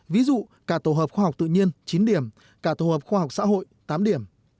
ví dụ cả tổ hợp khoa học tự nhiên chín điểm cả tổ hợp khoa học xã hội tám điểm